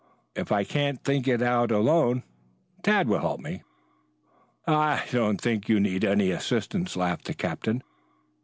If I can't think it out alone Tad will help me." "I don't believe you need any assistance," laughed the captain.